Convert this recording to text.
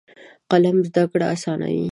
قلم زده کړه اسانوي.